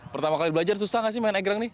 pertama kali belajar susah gak sih main egrang ini